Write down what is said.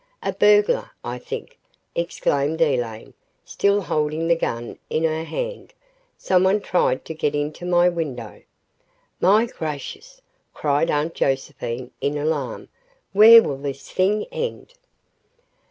"A burglar, I think," exclaimed Elaine, still holding the gun in her hand. "Someone tried to get into my window." "My gracious," cried Aunt Josephine, in alarm, "where will this thing end?"